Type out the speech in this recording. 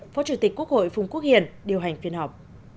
phó chủ tịch quốc hội phùng quốc hiền điều hành phiên họp